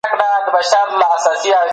د جرګې غړو ته لارښووني څوک کوي؟